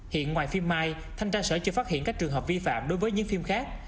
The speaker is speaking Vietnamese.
hiện ngoài phim mai thanh tra sở chưa phát hiện các trường hợp vi phạm đối với những phim khác